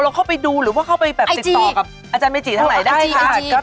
เราเข้าไปดูหรือเข้าไปติดต่อกับอาจารย์เมจิทั้งไหนได้ค่ะ